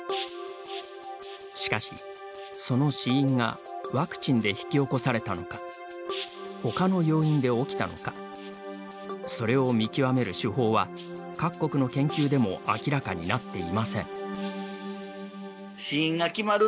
しかし、その死因がワクチンで引き起こされたのかほかの要因で起きたのかそれを見極める手法は各国の研究でも明らかになっていません。